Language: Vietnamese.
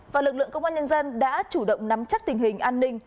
và lực lượng công an nhân dân đã chủ động nắm chắc tình hình an ninh